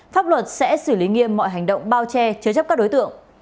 pháp luật sẽ xử lý nghiêm mọi hành động bao che chứa chấp các đối tượng